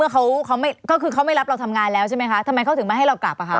เขาเขาไม่ก็คือเขาไม่รับเราทำงานแล้วใช่ไหมคะทำไมเขาถึงมาให้เรากลับอ่ะคะ